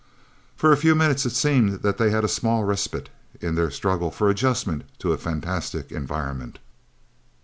For a few minutes it seemed that they had a small respite in their struggle for adjustment to a fantastic environment.